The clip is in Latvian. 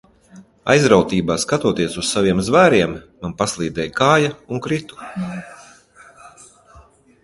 Aizrautībā skatoties uz saviem zvēriem, man paslīdēja kāja un kritu.